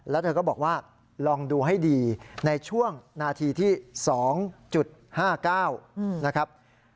แล้วเธอก็บอกว่าลองดูให้ดีในช่วงนาทีที่๒๕๙นะครับ